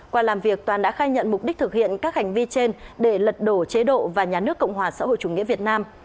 qua làm việc toàn đã khai nhận mục đích thực hiện các hành vi trên để lật đổ chế độ và nhà nước cộng hòa xã hội chủ nghĩa việt nam